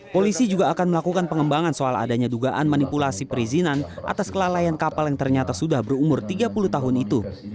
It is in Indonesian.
polisi juga akan melakukan pengembangan soal adanya dugaan manipulasi perizinan atas kelalaian kapal yang ternyata sudah berumur tiga puluh tahun itu